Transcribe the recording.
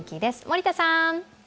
森田さん。